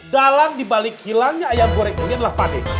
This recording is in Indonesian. dalam dibalik hilangnya ayam goreng ini adalah pakde